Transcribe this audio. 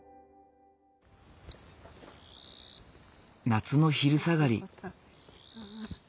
夏の昼下がり。